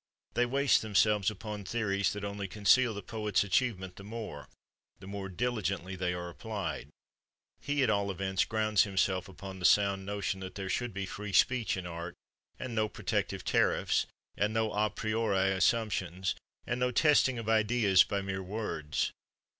They waste themselves upon theories that only conceal the poet's achievement the more, the more diligently they are applied; he, at all events, grounds himself upon the sound notion that there should be free speech in art, and no protective tariffs, and no a priori assumptions, and no testing of ideas by mere words.